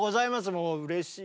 もううれしい。